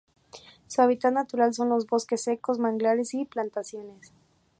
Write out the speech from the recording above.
Su hábitat natural son los bosques secos, manglares y plantaciones.